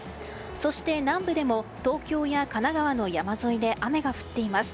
そして、南部でも東京や神奈川の山沿いで雨が降っています。